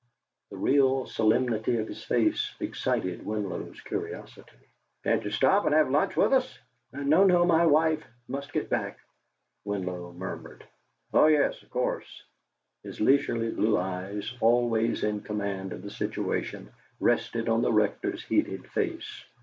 The real solemnity of his face excited Winlow's curiosity. "Can't you stop and have lunch with us?" "No, no; my wife Must get back!" Winlow murmured: "Ah yes, of course." His leisurely blue eyes, always in command of the situation, rested on the Rector's heated face.